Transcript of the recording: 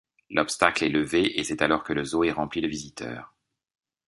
L'obstacle est levé et c'est alors que le zoo est rempli de visiteurs.